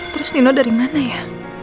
terus nino dari mana ya